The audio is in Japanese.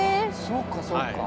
そうかそうか。